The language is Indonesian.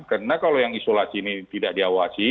karena kalau yang isolasi ini tidak diawasi